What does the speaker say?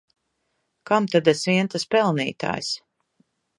Kam tad es vien tas pelnītājs!